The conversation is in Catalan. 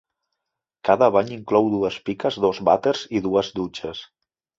Cada bany inclou dues piques, dos vàters i dues dutxes.